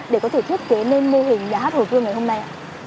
để có thể thiết kế lên mê hình nhà hát hồ gươm ngày hôm nay